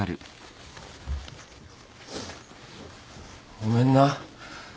ごめんな。